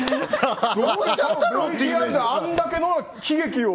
あれだけの喜劇を。